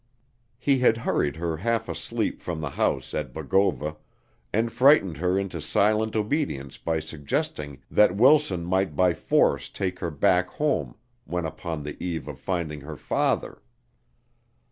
He had hurried her half asleep from the house at Bogova and frightened her into silent obedience by suggesting that Wilson might by force take her back home when upon the eve of finding her father.